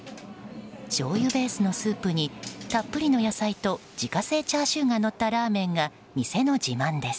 しょうゆベースのスープにたっぷりの野菜と自家製チャーシューがのったラーメンが店の自慢です。